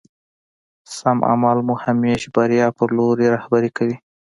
سم عمل مو همېش بريا په لوري رهبري کوي.